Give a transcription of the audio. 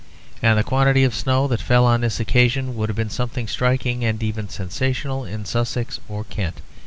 And the quantity of snow that fell on this occasion would have been something striking and even sensational in Sussex or Kent.